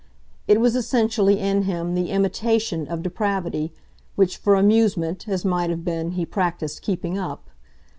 It was essentially, in him, the IMITATION of depravity which, for amusement, as might have been, he practised "keeping up."